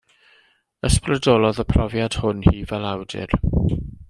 Ysbrydolodd y profiad hwn hi fel awdur.